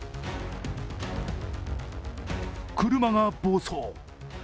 車が暴走。